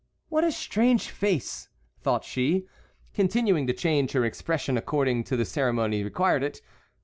"What a strange face!" thought she, continuing to change her expression according as the ceremony required it.